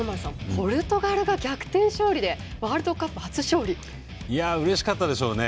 ポルトガルが逆転勝利でうれしかったでしょうね。